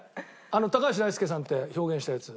高橋大輔さんって表現したやつ。